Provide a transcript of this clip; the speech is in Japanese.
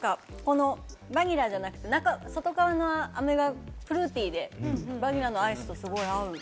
バニラじゃなくて外側の飴がフルーティーで、バニラのアイスとすごい合う。